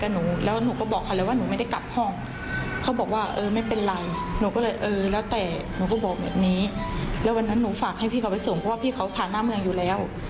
แล้ววันนั้นหนูฝากให้พี่เขาไปส่งเพราะว่าพี่เขาผ่านหน้าเมืองอยู่แล้ว